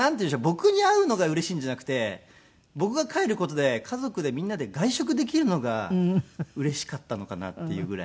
僕に会うのがうれしいんじゃなくて僕が帰る事で家族でみんなで外食できるのがうれしかったのかなっていうぐらい。